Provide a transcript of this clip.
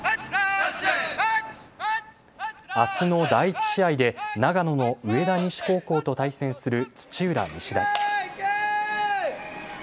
あすの第１試合で長野の上田西高校と対戦する土浦日大。